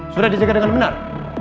sudah dijaga dengan benar